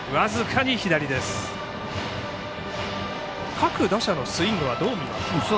各打者のスイングはどう見ますか。